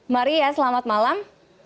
maria selamat malam